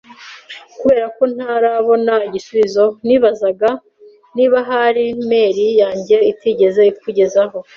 Kubera ko ntarabona igisubizo, nibazaga niba ahari mail yanjye itigeze ikugezaho.